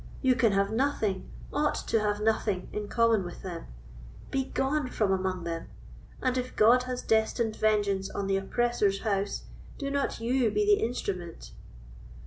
You can have nothing—ought to have nothing, in common with them. Begone from among them; and if God has destined vengeance on the oppressor's house, do not you be the instrument."